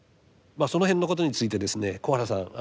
その辺のことについてですね小原さん